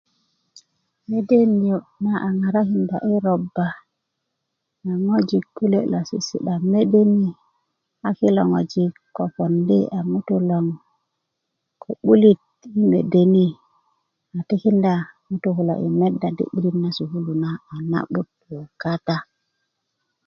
mede niyo' na a ŋarakinda i robba na ŋojik kule' lo sisi'da mede ni a kilo ŋojik pondi' a ŋutuu loŋ ko 'bulit i mede ni a tikinda ŋutuu kulo i meda di 'bulit na sukulu a na'but gboŋ kata